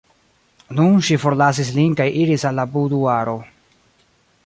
Nun ŝi forlasis lin kaj iris al la buduaro.